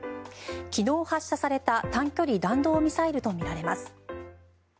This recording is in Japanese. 昨日発射された単距離弾道ミサイルとみられます。